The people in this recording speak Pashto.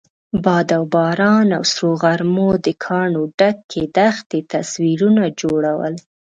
باد او باران او سرو غرمو د کاڼو ډکې دښتې تصویرونه جوړول.